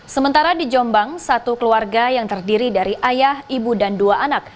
sementara di jombang satu keluarga yang terdiri dari ayah ibu dan dua anak